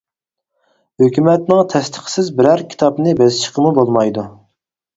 ھۆكۈمەتنىڭ تەستىقىسىز بىرەر كىتابنى بېسىشقىمۇ بولمايدۇ.